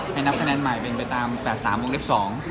๘๕ให้นับแน่นหมายไปตาม๘๓วงเล็ก๒